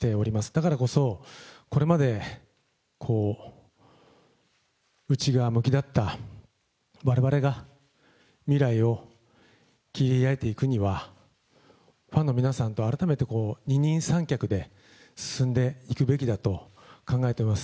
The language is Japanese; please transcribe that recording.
だからこそ、これまで内側向きだったわれわれが未来を切り開いていくには、ファンの皆さんと改めて二人三脚で進んでいくべきだと考えています。